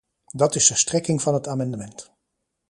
Dat is de strekking van het amendement.